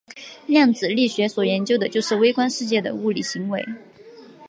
量子力学所研究的就是微观世界的物理行为。